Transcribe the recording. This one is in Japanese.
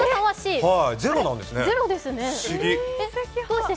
ゼロなんですね、不思議。